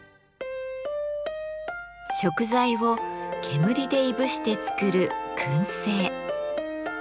食材を煙でいぶして作る「燻製」。